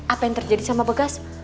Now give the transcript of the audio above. apa yang terjadi sama bekas